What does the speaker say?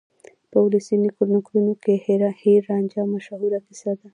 په ولسي نکلونو کې هیر رانجھا مشهوره کیسه ده.